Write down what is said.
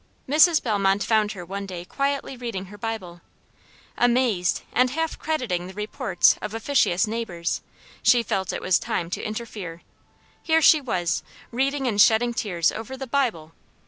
Mrs. Bellmont found her one day quietly reading her Bible. Amazed and half crediting the reports of officious neighbors, she felt it was time to interfere. Here she was, reading and shedding tears over the Bible.